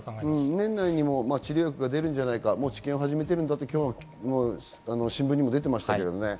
年内にも治療薬が出るんじゃないか、治験が始まってると今日の新聞にも出ていました。